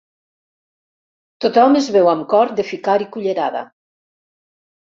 Tothom es veu amb cor de ficar-hi cullerada.